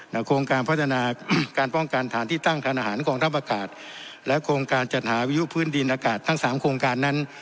โครงการพัฒนาการป้องกันฐานที่ตั้งทานอาหารกองทัพอากาศและโครงการจัดหาวิยุพื้นดินอากาศทั้งสามโครงการนั้น